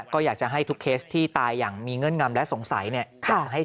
ก็อยากจะให้ทุกเคสที่ตายอย่างมีเงื่อนงำและสงสัยเนี่ย